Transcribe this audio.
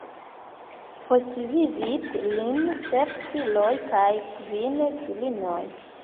Postvivis lin sep filoj kaj kvin filinoj.